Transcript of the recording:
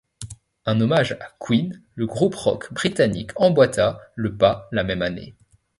Un hommage à Queen, le groupe rock britannique, emboîta le pas la même année.